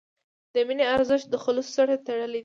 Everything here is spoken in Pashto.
د مینې ارزښت د خلوص سره تړلی دی.